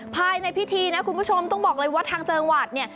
ภายในพิธีนะคุณผู้ชมต้องบอกเลยว่าทางจังหวัดเนี่ย